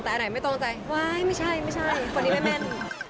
แต่อันไหนไม่ตรงใจไม่ใช่คนนี้ไม่แม่น